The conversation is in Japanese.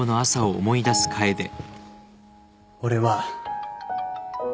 俺は